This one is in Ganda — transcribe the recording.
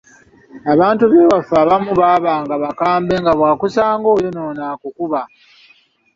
Abantu b’ewaffe abamu baabanga bakambwe nga bw’akusanga oyonoona akukuba.